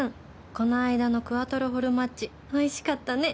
この間のクアトロフォルマッジ美味しかったね